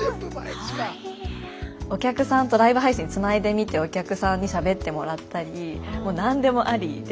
お客さんとライブ配信つないでみてお客さんにしゃべってもらったりもう何でもありで。